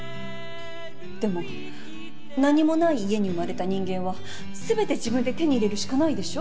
でも何もない家に生まれた人間は全て自分で手に入れるしかないでしょ。